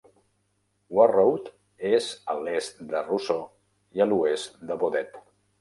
Warroad és a l'est de Roseau i a l'oest de Baudette.